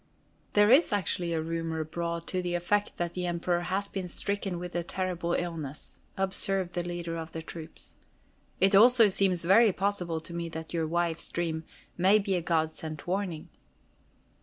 "There is actually a rumor abroad to the effect that the Emperor has been stricken with a terrible illness," observed the leader of the troops. "It also seems very possible to me that your wife's dream may be a god sent warning."